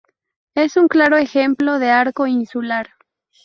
Es un claro ejemplo de arco insular.